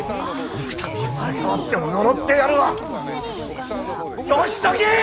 幾たび生まれ変わっても呪ってやるわ義時！